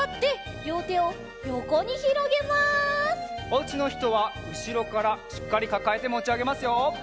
おうちのひとはうしろからしっかりかかえてもちあげますよ。